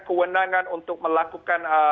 kewenangan untuk melakukan